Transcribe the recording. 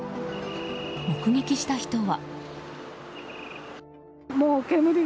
目撃した人は。